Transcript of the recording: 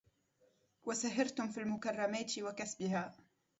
وسهرتم في المكرمات وكسبها